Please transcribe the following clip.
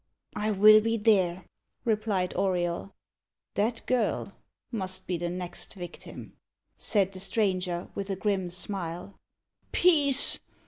"I will be there," replied Auriol. "That girl must be the next victim," said the stranger, with a grim smile. "Peace!"